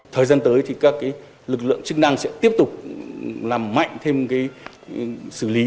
thời gian tới thì các lực lượng chức năng sẽ tiếp tục làm mạnh thêm xử lý